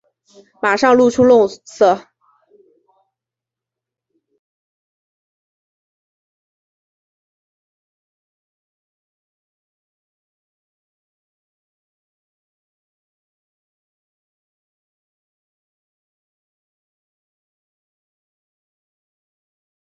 生活中的汤灿喜欢佩戴翡翠首饰。